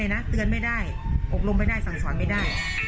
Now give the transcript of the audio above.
เขาจะไม่ยิ่งเตือนยิ่งดันข้างล่างยิ่งบอกว่าให้ทำยิ่งทำ